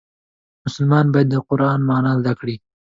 مسلمان باید د قرآن معنا زده کړي.